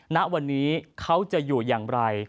ณวันนี้เขาจะอยู่อย่างไร